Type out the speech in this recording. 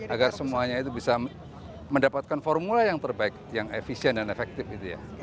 agar semuanya itu bisa mendapatkan formula yang terbaik yang efisien dan efektif gitu ya